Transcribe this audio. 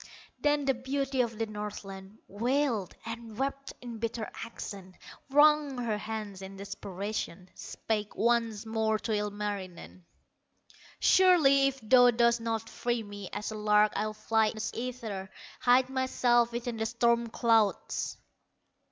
Then the beauty of the Northland, Wailed and wept in bitter accents, Wrung her hands in desperation, Spake once more to Ilmarinen: "Surely, if thou dost not free me, As a lark I'll fly the ether, Hide myself within the storm clouds."